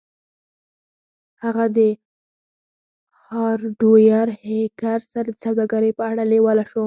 هغه د هارډویر هیکر سره د سوداګرۍ په اړه لیواله شو